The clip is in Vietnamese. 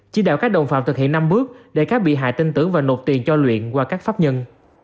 chỉ đạo các đồng phạm thực hiện năm bước để các bị hại tin tưởng và nộp tiền cho luyện qua các pháp nhân